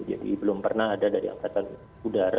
jadi belum pernah ada dari angkatan udara